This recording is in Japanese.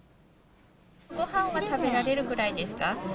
ごはんは食べられるくらいですか？